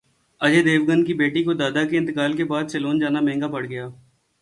اجے دیوگن کی بیٹی کو دادا کے انتقال کے بعد سیلون جانا مہنگا پڑ گیا